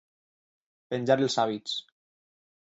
Penjar els hàbits.